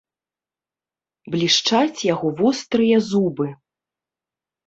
Блішчаць яго вострыя зубы.